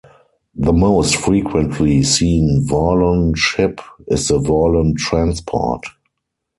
The most frequently seen Vorlon ship is the Vorlon transport.